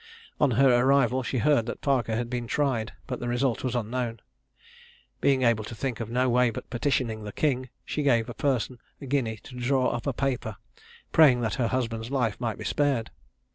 On her arrival, she heard that Parker had been tried, but the result was unknown. Being able to think of no way but petitioning the king, she gave a person a guinea to draw up a paper, praying that her husband's life might be spared.